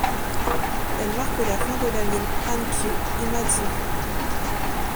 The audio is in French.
Elle marque la fin de la ligne Hankyu Imazu.